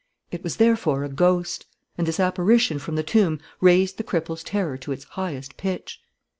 It was therefore a ghost; and this apparition from the tomb raised the cripple's terror to its highest pitch.